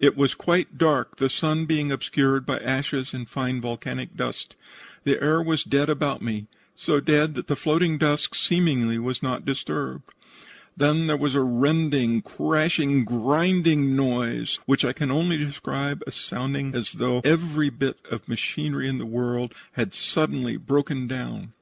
It was quite dark, the sun being obscured by ashes and fine volcanic dust. The air was dead about me, so dead that the floating dust seemingly was not disturbed. Then there was a rending, crashing, grinding noise, which I can only describe as sounding as though every bit of machinery in the world had suddenly broken down.